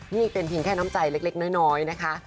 นี่เป็นเพียงแค่น้ำใจเล็กน้อยนะคะ